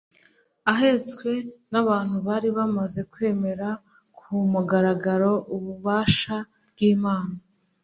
ahetswe n'abantu bari bamaze kwemera ku mugaragaro ububasha bw'imana